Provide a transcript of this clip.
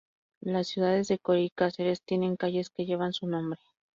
Las ciudades de Coria y Cáceres tienen calles que llevan su nombre.